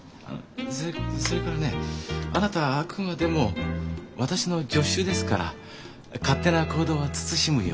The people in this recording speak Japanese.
そっそれからねあなたはあくまでも私の助手ですから勝手な行動は慎むように。